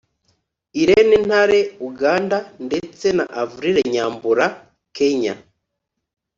Irene Ntale (Uganda) ndetse na Avril Nyambura (Kenya)